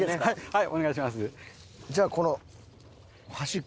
はい。